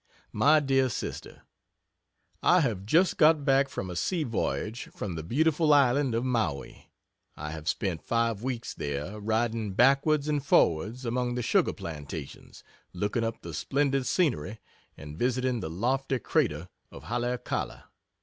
MY DEAR SISTER, I have just got back from a sea voyage from the beautiful island of Maui, I have spent five weeks there, riding backwards and forwards among the sugar plantations looking up the splendid scenery and visiting the lofty crater of Haleakala.